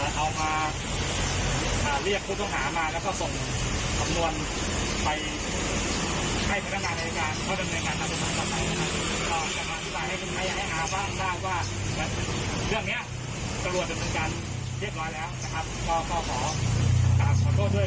ก็คือเป็นกันเรียกแล้วขอขอโทษด้วย